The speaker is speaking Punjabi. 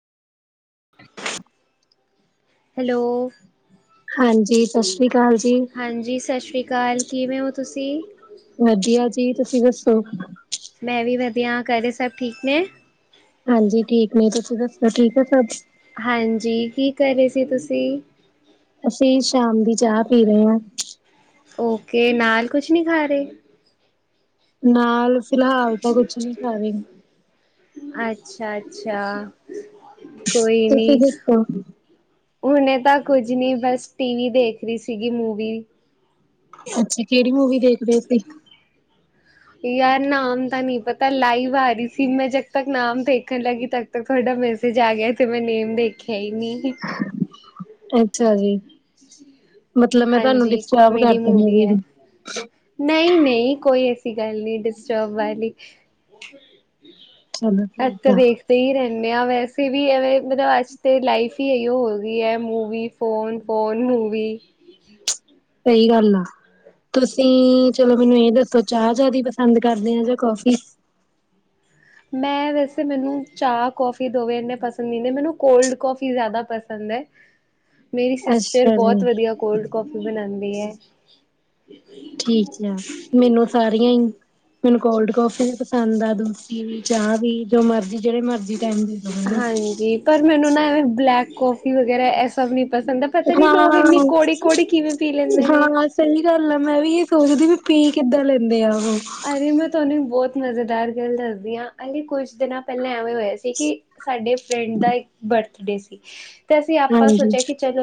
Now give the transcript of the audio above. ਹੈਲੋ ਠੀਕ ਹੋ ਹਾਂਜੀ ਸਤਿ ਸ੍ਰੀ ਅਕਾਲ, ਕਿਵੇਂ ਹੋ ਤੁਸੀਂ? ਵਧੀਆ ਜੀ ਤੁਸੀਂ ਦੱਸੋ ਵਦੀਆਂ, ਕਰੇ ਸਭ ਠੀਕ ਨੇ? ਹਾਂਜੀ ਠੀਕ ਨੇ, ਤੁਸੀਂ ਦੱਸੋ ਠੀਕ ਹੈ ਸਭ? ਹਾਂਜੀ, ਕੀ ਕਰ ਰਹੇ ਸੀ ਤੁਸੀਂ ਅਸੀਂ ਸ਼ਾਮ ਦੀ ਚਾਹ ਪੀ ਰਹੇ ਆ ਓਕੇ ਨਾਲ ਕੁਛ ਨਹੀ ਖਾ ਰਹੇ ਨਾਲ ਫਿਲਹਾਲ ਤਾਂ ਕੁਛ ਨ ਖਾ ਰਹੇ ਅੱਛਾ-ਅੱਛਾ। ਕੋਈ ਤੁਸੀ ਨੀ ਦਸੋ ਹੁਣੇ ਤਾਂ ਕੁੱਝ ਨਹੀਂ, ਬਸ ਟੀਵੀ ਦੇਖ ਰੀ ਸੀਗੀ ਮੂਵੀ ਅੱਛਾ ਕਿਹੜੀ ਮੂਵੀ ਦੇਖਦੇਂ ਸੀ ਯਾਰ ਨਾਮ ਤਾਂ ਨਹੀਂ ਪਤਾ, ਲਾਈਵ ਆ ਰਹੀ ਸੀ ਮੈਂ ਜਦ ਤੱਕ ਨਾਮ ਦੇਖਣ ਲੱਗੀ ਤਦ ਤੱਕ ਤੁਹਾਡਾ ਮੈਸੇਜ ਆ ਗਿਆ ਤੇ ਮੈਂ ਨੇਮ ਦੇਖਿਆ ਖਯਾ ਹੀ ਨਹੀਂ ਅੱਛਾ ਜੀ ਮਤਲਬ ਮੈਂ ਤੁਹਾਨੂੰ ਹਾਂਜੀ, ਡਿਸਟਰਬ ਕੋਮੇਡੀ ਕਰਤਾ ਮੂਵੀ ਹੈ, ਨੂੰ ਨਹੀਂ ਨਹੀਂ ਕੋਈ ਐਸੀ ਗੱਲ ਨਹੀ ਡਿਸਟਰਬ ਵਾਲੀ। [unintelligible] ਚਲੋ ਅਸ ਠੀਕ ਤਾ ਆ ਦੇਖਦੇ ਹੀ ਰਹਿ ਹਦੇ ਹ ਵੈਸੇ ਵੀ ਐਵੇਂ ਮਤਲਬ ਅੱਜ ਤੇ ਲਾਈਫ ਹੀ ਇਹੋ ਗਈ ਹੈ। Movie, phone phone, movie. ਸਹੀ ਗੱਲ ਆ, ਤੁਸੀਂ ਚਲੋ, ਮੈਨੂੰ ਇਹ ਦੱਸੋ ਚਾਹ ਜ਼ਿਆਦਾ ਪਸੰਦ ਕਰਦੇ ਹੋ ਜਾਂ ਕੌਫੀ। ਮੈਂ ਵੈਸੇ ਮੈਨੂੰ ਚਾਹ ਕੌਫੀ ਦੋਵੇਂ ਇੰਨੇ ਪਸੰਦ ਨਹੀਂ ਨੇ ਮੈਨੂੰ ਕੋਲਡ ਕੌਫੀ ਜ਼ਿਆਦਾ ਪਸੰਦ ਹੈ। ਮੇਰੀ ਸਿਸਟਰ ਅੱਛਾ ਜੀ ਬਹੁਤ ਵਧੀਆ ਕੋਲਡ ਕੌਫੀ ਬਣਾਦੀ ਹੈ। ਠੀਕ ਆ, ਮੈਨੂੰ ਸਾਰੀਆਂ ਹੀ ਮੈਨੂੰ ਕੋਲਡ ਕੌਫੀ ਵੀ ਪਸੰਦ ਆ ਦੂ ਰੋਟੀ ਵੀ, ਚਾਹ ਵੀ, ਜੋ ਮਰਜੀ ਜਿਹੜੇ ਮਰਜ਼ੀ ਟਾਈਮ ਦੇ ਦੋ ਮੈਨੂੰ। ਹਾਂਜੀ ਪਰ ਮੈਨੂੰ ਨਾ ਐਵੇਂ ਬਲੈਕ ਕੌਫੀ ਵਗੈਰਾ, ਇਹ ਸਭ ਨਹੀਂ ਪਸੰਦ ਹੈ ਪਤਾ ਨੀ ਹਾਂ ਲੋਕ ਇੰਨੀ ਕੌੜੀ ਕੌੜੀ ਕਿਵੇਂ ਪੀ ਲੈਂਦੇ ਨੇ ਹਾਂ ਸਹੀ ਗੱਲ ਆ ਮੈਂ ਵੀ ਇਹ ਸੋਚਦੀ ਵੀ ਪੀ ਕਿੱਦਾਂ ਲੈ ਹੁੰਦੇ ਆ। ਉਹ ਅਰੇ! ਮੈਂ ਤੁਹਾਨ ਬਹੁਤ ਮਜ਼ੇਦਾਰ ਗੱਲ ਦੱਸਦੀ ਹਾਂ, ਅਲੇ! ਕੁੱਝ ਦਿਨਾਂ ਪਹਿਲਾਂ ਹੋਇਆ ਸੀ, ਕਿ ਸਾਡੇ ਫਰੈਂਡ ਦਾ ਇੱਕ ਬਰਥ ਕਿਡੇ ਸੀ। ਤੇ ਅਸੀਂ ਆਪਾਂ ਹਾਂਜੀ ਸੋਚਿਆ ਕਿ ਚਲੋ,